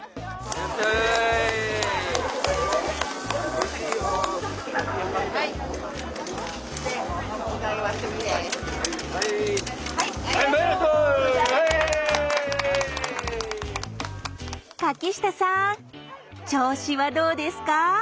柿下さん調子はどうですか？